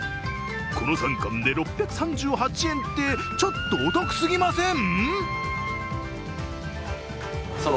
この３貫で６３８円って、ちょっとお得すぎません？